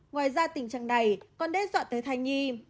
ngoài ra tình trạng này còn đe dọa tới thai nhi